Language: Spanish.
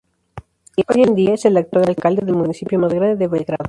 Hoy en día es el actual alcalde del municipio más grande de Belgrado.